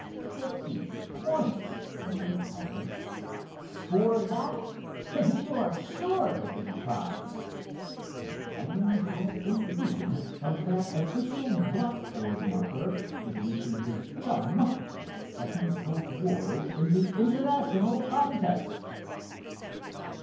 "Fifty points!" murmured Hiram. "Score that and you are sure of the big prize," and Hiram had a vision of that official blackboard marker giving to his chum the second award in the International contest.